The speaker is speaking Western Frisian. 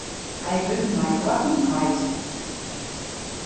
Hy wurdt mei koarten heit.